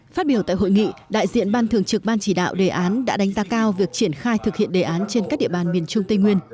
phát biểu tại hội nghị đại diện ban thường trực ban chỉ đạo đề án đã đánh ta cao việc triển khai thực hiện đề án trên các địa bàn miền trung tây nguyên